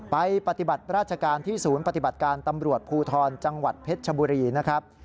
ปฏิบัติราชการที่ศูนย์ปฏิบัติการตำรวจภูทรจังหวัดเพชรชบุรีนะครับ